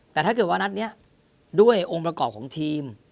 แต่ถ้าเกิดว่านัดนี้ด้วยองค์ประกอบของทีม